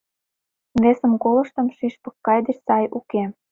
Весым колыштым Шӱшпык кайык деч сай уке.